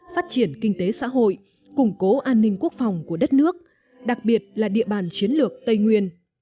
phát triển kinh tế xã hội củng cố an ninh quốc phòng của đất nước đặc biệt là địa bàn chiến lược tây nguyên